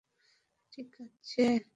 ঠিক আছে!